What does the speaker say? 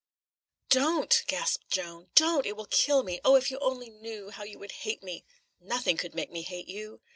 "Don't!" gasped Joan. "Don't! it will kill me. Oh, if you only knew, how you would hate me!" "Nothing could make me hate you."